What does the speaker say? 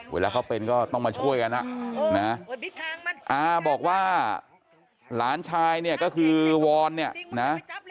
เวลาเขาเป็นก็ต้องมาช่วยกันอาบอกว่าหลานชายเนี่ยก็คือวอนเนี่ยนะ